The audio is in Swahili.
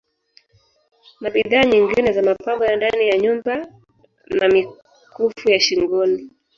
Na bidhaa nyingine za Mapambo ya ndani ya nyumba na mikufu ya Shingoni